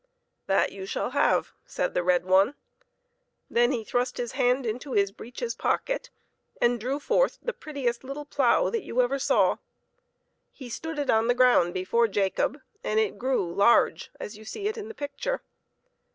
" That you shall have," said the red one. Then he thrust his hand into his breeches pock et, and drew forth the prettiest little plough that you ever saw. He stood it on the ground before Jacob, and it grew large as you see it in the picture.